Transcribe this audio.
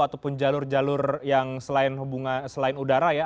ataupun jalur jalur yang selain udara ya